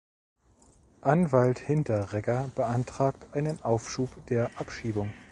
Anwalt Hinteregger beantragt einen Aufschub der Abschiebung.